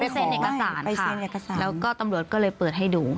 เซ็นเอกสารไปเซ็นเอกสารแล้วก็ตำรวจก็เลยเปิดให้ดู